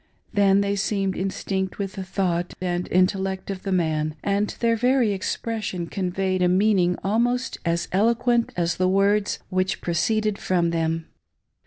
— Then they seemed instinct with the thought and intellect of the man, and their very ex pression conveyed a meaning almost as eloquent as the words which proceeded from them.